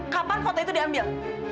kapan foto itu diambil